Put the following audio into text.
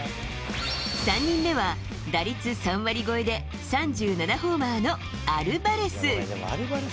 ３人目は、打率３割超えで３７ホーマーのアルバレス。